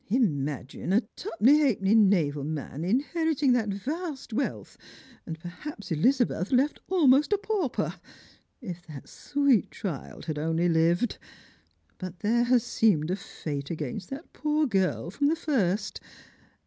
Imagine a twopenny halfpenny naval man inheriting that vast wealth, and perhaps Elizabeth left almost a pauper ! If that sweet child had only lived ! But there has seemed a fate against that poor girl from the first.